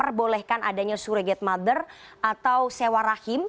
mereka memperolehkan adanya surget mother atau sewa rahim